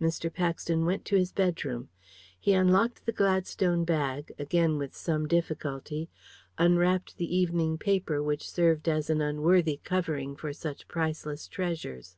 Mr. Paxton went to his bedroom. He unlocked the Gladstone bag again with some difficulty unwrapped the evening paper which served as an unworthy covering for such priceless treasures.